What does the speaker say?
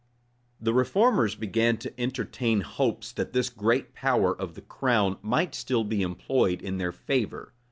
The reformers began to entertain hopes that this great power of the crown might still be employed in their favor.